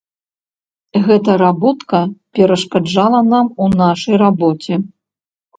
Гэта работка перашкаджала нам у нашай рабоце.